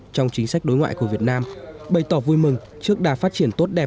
trong chính sách đối ngoại của việt nam bày tỏ vui mừng trước đà phát triển tốt đẹp